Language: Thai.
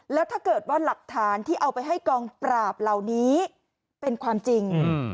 แล้วถ้าเกิดว่าหลักฐานที่เอาไปให้กองปราบเหล่านี้เป็นความจริง